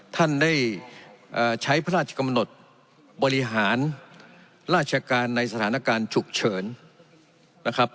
ท่านได้ใช้พระราชกรรมนตรบริหารราชการในสถานการณ์ฉุกเฉิน